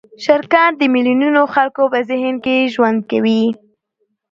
شرکت د میلیونونو خلکو په ذهن کې ژوند کوي.